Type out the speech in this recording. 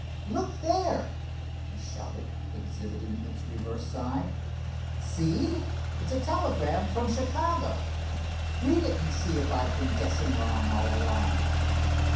"Look there!" he shouted, exhibiting its reverse side. "See! It's a telegram from Chicago. Read it, and see if I've been guessing wrong all along!"